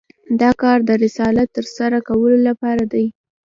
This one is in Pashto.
دا کار د رسالت تر سره کولو لپاره دی.